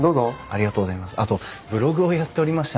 ありがとうございます。